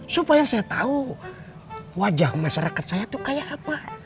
supaya saya tahu wajah masyarakat saya itu kayak apa